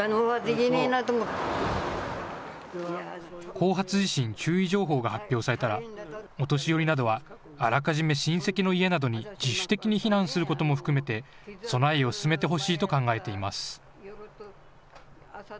後発地震注意情報が発表されたらお年寄りなどはあらかじめ親戚の家などに自主的に避難することも含めて備えを進めてほしいと考えています。